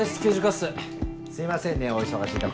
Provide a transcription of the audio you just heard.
すいませんねお忙しいところ。